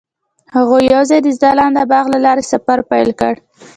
هغوی یوځای د ځلانده باغ له لارې سفر پیل کړ.